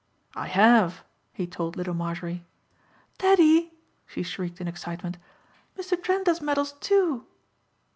"I have," he told little Marjorie. "Daddy," she shrieked in excitement, "Mr. Trent has medals too."